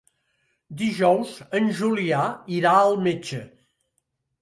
Dijous en Julià irà al metge.